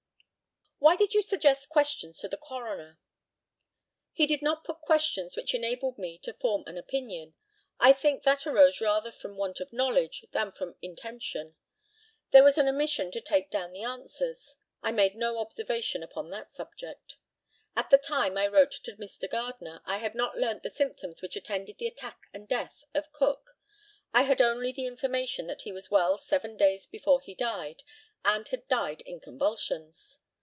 Why did you suggest questions to the coroner? He did not put questions which enabled me to form an opinion. I think that arose rather from want of knowledge than from intention. There was an omission to take down the answers. I made no observation upon that subject. At the time I wrote to Mr. Gardner I had not learnt the symptoms which attended the attack and death of Cook. I had only the information that he was well seven days before he died, and had died in convulsions.